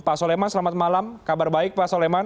pak soleman selamat malam kabar baik pak soleman